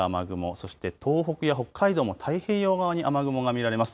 そして東北や北海道も太平洋側に雨雲が見られます。